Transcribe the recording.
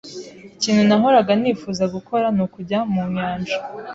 Ikintu nahoraga nifuza gukora ni ukujya mu nyanja.